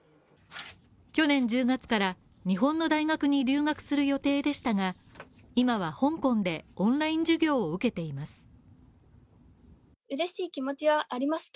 去年１０月から日本の大学に留学する予定でしたが今は香港でオンライン授業を受けています。